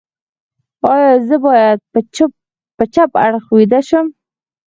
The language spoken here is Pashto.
ایا زه باید په چپ اړخ ویده شم؟